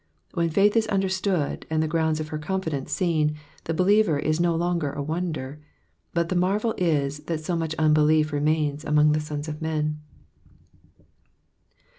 When faith is understood, and the grounds of her confidence seen, the believer is no longer a wonder ; but the marvel is that so much unbelief remains among the sons of men.